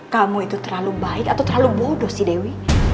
kamu itu terlalu baik atau terlalu bodoh si dewi